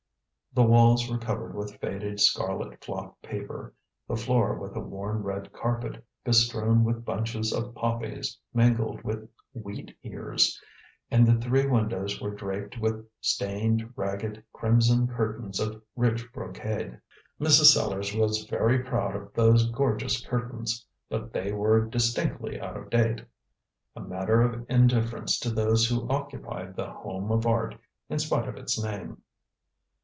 The walls were covered with faded scarlet flock paper, the floor with a worn red carpet, bestrewn with bunches of poppies mingled with wheat ears, and the three windows were draped with stained, ragged, crimson curtains of rich brocade. Mrs. Sellars was very proud of those gorgeous curtains, but they were distinctly out of date a matter of indifference to those who occupied The Home of Art, in spite of its name.